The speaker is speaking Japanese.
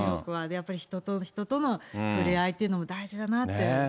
やっぱり人と人との触れ合いっていうのも大事だなって。